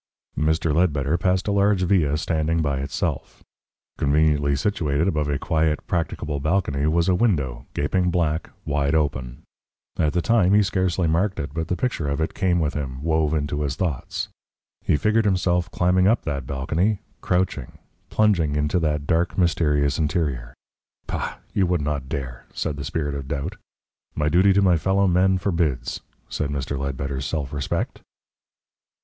Mr. Ledbetter passed a large villa standing by itself. Conveniently situated above a quiet, practicable balcony was a window, gaping black, wide open. At the time he scarcely marked it, but the picture of it came with him, wove into his thoughts. He figured himself climbing up that balcony, crouching plunging into that dark, mysterious interior. "Bah! You would not dare," said the Spirit of Doubt. "My duty to my fellow men forbids," said Mr. Ledbetter's self respect.